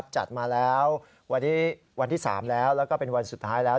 จัดมาแล้ววันนี้วันที่๓แล้วแล้วก็เป็นวันสุดท้ายแล้ว